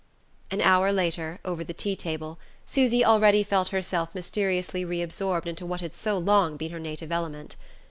An hour later, over the tea table, Susy already felt herself mysteriously reabsorbed into what had so long been her native element.